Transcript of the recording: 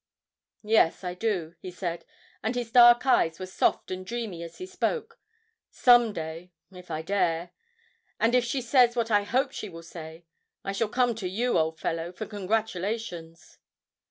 'Yes, I do,' he said, and his dark eyes were soft and dreamy as he spoke, 'some day ... if I dare. And if she says what I hope she will say, I shall come to you, old fellow, for congratulations.'